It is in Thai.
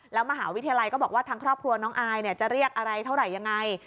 แล้วมหาวิทยาลัยก็บอกว่าทางครอบครัวน้องอายจะเรียกอะไรเท่าไหร่ยังไง